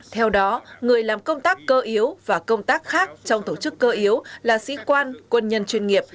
theo đó người làm công tác cơ yếu và công tác khác trong tổ chức cơ yếu là sĩ quan quân nhân chuyên nghiệp